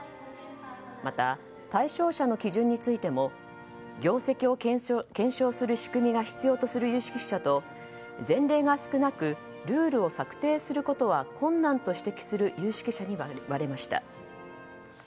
また、対象者の基準についても業績を検証する仕組みが必要とする有識者と前例が少なくルールを策定することは困難と指摘する有識者に割れました。